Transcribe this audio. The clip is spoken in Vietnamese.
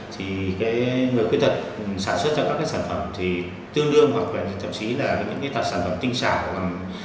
thì cái người khuyết tật sản xuất ra các cái sản phẩm thì tương đương hoặc là thậm chí là những cái sản phẩm tinh sản